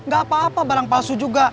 gak apa apa barang palsu juga